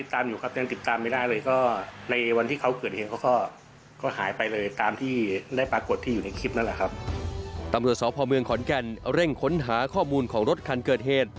ตำรวจสพเมืองขอนแก่นเร่งค้นหาข้อมูลของรถคันเกิดเหตุ